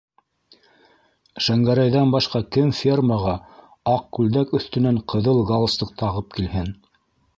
Шәңгәрәйҙән башҡа кем фермаға аҡ күлдәк өҫтөнән ҡыҙыл галстук тағып килһен!